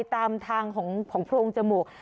ตามทางของโพรงจมูก